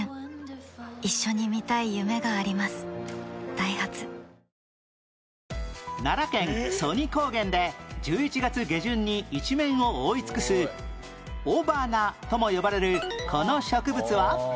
ダイハツ奈良県曽爾高原で１１月下旬に一面を覆い尽くす「おばな」とも呼ばれるこの植物は？